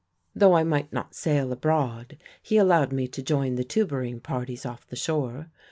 "Though I might not sail abroad he allowed me to join the tuburing parties off the shore.